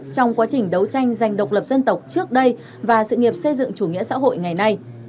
trong quá trình đấu tranh giành độc lập dân tộc trước đây và sự nghiệp xây dựng chủ nghĩa xã hội ngày nay